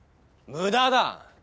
無駄だ！